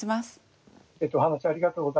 お話ありがとうございました。